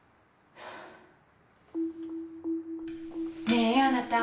ねえあなた。